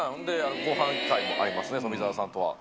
ごはん会もありますね、富澤さんとは。